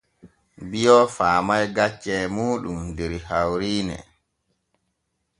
Bio faamay gaccee muuɗum der hawriine.